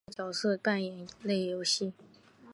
是一款由光荣制作和发行的角色扮演类游戏。